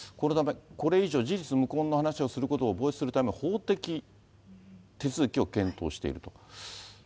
これ以上、事実無根の話をすることを防止するための法的手続きを検討していると。